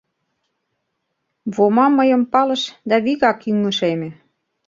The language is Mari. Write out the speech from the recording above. Вома мыйым палыш да вигак ӱҥышеме.